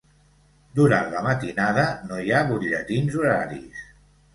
Durant la matinada no hi ha butlletins horaris.